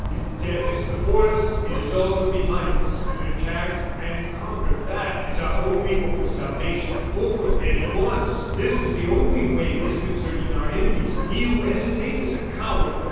"If death is before us, it is also behind us. To attack and conquer that is our only hope of salvation. Forward, then, at once. That is the only way of disconcerting our enemies. He who hesitates is a coward!